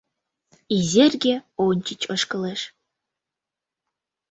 Изерге ончыч ошкылеш.